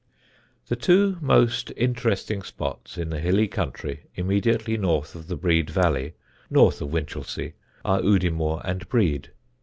_] The two most interesting spots in the hilly country immediately north of the Brede valley (north of Winchelsea) are Udimore and Brede.